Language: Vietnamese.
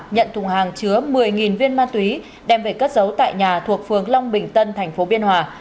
nhận thùng hàng chứa một mươi viên ma túy đem về cất giấu tại nhà thuộc phường long bình tân thành phố biên hòa